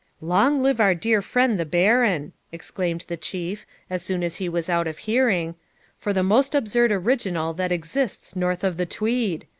'Long live our dear friend the Baron,' exclaimed the Chief, as soon as he was out of hearing, 'for the most absurd original that exists north of the Tweed!